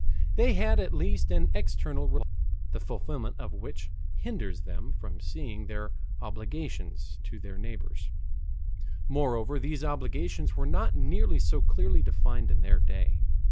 They had at least an external religious law, the fulfillment of which hindered them from seeing their obligations to their neighbors. Moreover, these obligations were not nearly so clearly defined in their day.